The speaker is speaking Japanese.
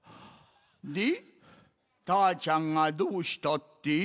でたーちゃんがどうしたって？